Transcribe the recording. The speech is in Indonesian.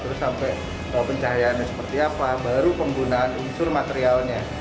terus sampai pencahayaannya seperti apa baru penggunaan unsur materialnya